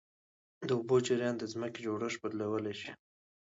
د اوبو جریان د ځمکې جوړښت بدلولی شي.